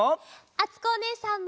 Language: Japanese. あつこおねえさんも。